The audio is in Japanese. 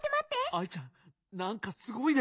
アイちゃんなんかすごいね。